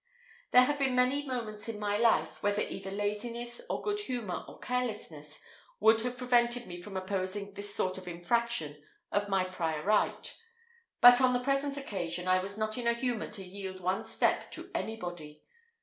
There have been many moments in my life, when either laziness, or good humour, or carelessness, would have prevented me from opposing this sort of infraction of my prior right; but, on the present occasion, I was not in a humour to yield one step to anybody.